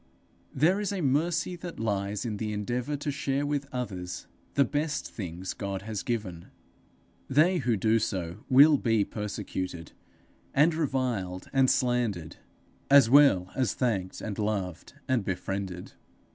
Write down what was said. There is a mercy that lies in the endeavour to share with others the best things God has given: they who do so will be persecuted, and reviled, and slandered, as well as thanked and loved and befriended.